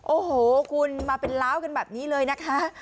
โอ้โหคุณมาเป็นล้าวกันแบบนี้เลยนะคะ